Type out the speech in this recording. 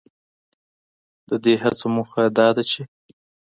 ددې هڅو موخه دا ده چې